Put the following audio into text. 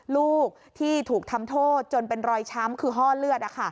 ลูกที่ถูกทำโทษจนเป็นรอยช้ำคือห้อเลือด